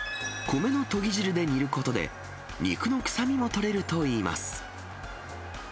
米のとぎ汁で煮ることで、肉の臭みも取れるといいます。